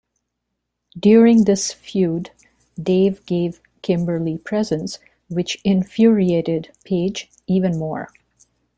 During this feud, Dave gave Kimberly presents, which infuriated Page even more.